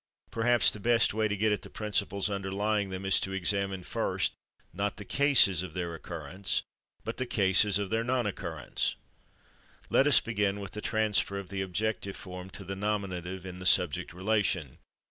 Perhaps the best way to get at the principles underlying them is to examine first, not the cases of their occurrence, but the cases of their non occurrence. Let us begin with the transfer of the objective form to the nominative in the subject relation.